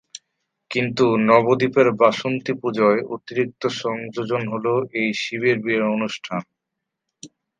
কিন্তু, নবদ্বীপের বাসন্তী পুজোয় অতিরিক্ত সংযোজন হলো এই শিবের বিয়ের অনুষ্ঠান।